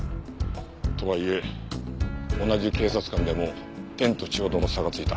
とはいえ同じ警察官でも天と地ほどの差がついた。